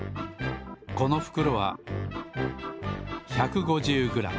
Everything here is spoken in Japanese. このふくろは１５０グラム。